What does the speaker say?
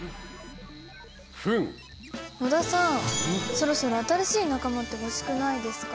そろそろ新しい仲間って欲しくないですか？